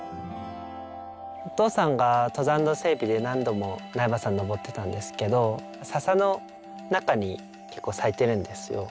お父さんが登山道整備で何度も苗場山に登ってたんですけどササの中に結構咲いているんですよ。